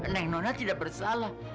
neng nona tidak bersalah